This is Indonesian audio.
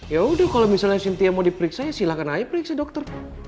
yaudah kalau misalnya sintia mau diperiksa ya silahkan aja periksa dokter